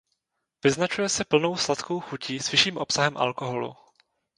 Vyznačuje se plnou sladkou chutí s vyšším obsahem alkoholu.